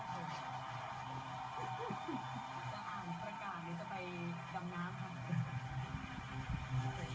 จะอ่านประกาศหรือจะไปดำน้ำค่ะ